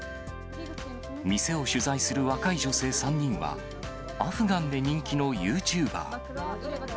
店を取材する若い女性３人は、アフガンで人気のユーチューバー。